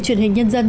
truyền hình nhân dân